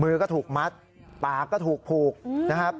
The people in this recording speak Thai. มือก็ถูกมัดปากก็ถูกผูกนะครับ